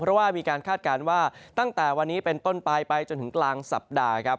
เพราะว่ามีการคาดการณ์ว่าตั้งแต่วันนี้เป็นต้นปลายไปจนถึงกลางสัปดาห์ครับ